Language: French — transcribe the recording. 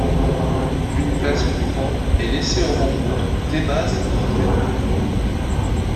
Une place plus grande est laissée aux rencontres, débats et portraits.